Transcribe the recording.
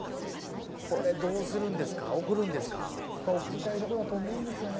これ、どうするんですか、送りたいところだと思うんですよね。